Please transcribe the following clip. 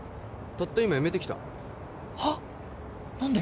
たった今辞めてきたはっ何で？